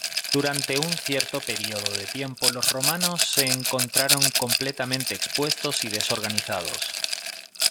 Durante un cierto periodo de tiempo, los romanos se encontraron completamente expuestos y desorganizados.